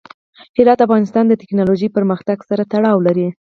هرات د افغانستان د تکنالوژۍ پرمختګ سره تړاو لري.